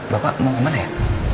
bapak mau kemana ya